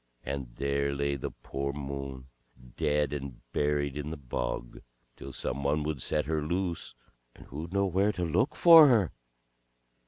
And there lay the poor Moon, dead and buried in the bog, till some one would set her loose; and who'd know where to look for her.